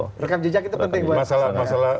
rekam jejak itu penting buat masalah